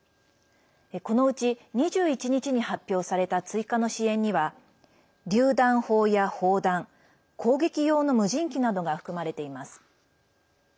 このうち、２１日に発表された追加の支援にはりゅう弾砲や砲弾攻撃用の無人機などが含まれています。